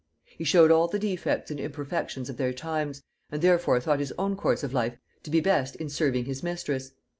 He showed all the defects and imperfections of their times, and therefore thought his own course of life to be best in serving his mistress....